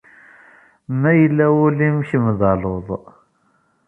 Ma yella ul-im kemm d aluḍ.